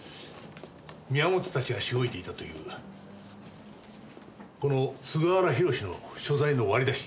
宮本たちがしごいていたというこの菅原弘志の所在の割り出し。